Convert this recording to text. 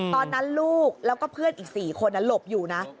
ตอนนั้นลูกแล้วก็เพื่อนอีก๔คนหลบอยู่นะ